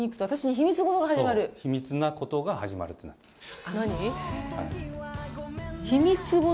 秘密なことが始まるってなってます。